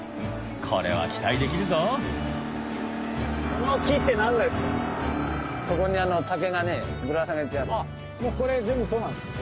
これは期待できるぞもうこれ全部そうなんですか？